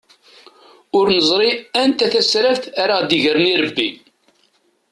Ur neẓri anta tasraft ara aɣ-d-igren irebbi.